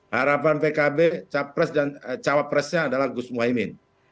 harapan pkb capres dan cawapresnya adalah gus imin